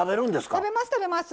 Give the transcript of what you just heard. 食べます食べます。